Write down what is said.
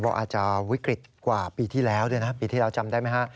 เพราะอาจจะวิกฤตกว่าปีที่แล้วด้วยนะปีที่แล้วจำได้ไหมฮะ